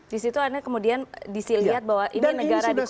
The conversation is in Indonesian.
disitu anda kemudian disilihat bahwa ini negara dikorbankan